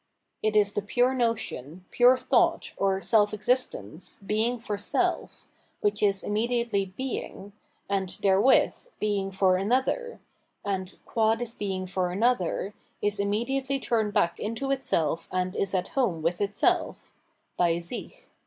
It is the pure notion, pure thought, or self existence, being for self, which is immediately being, and, therewith, being for another, and, qua this being for another, is immedi ately turned back into itself and is at home with itself {bei sick).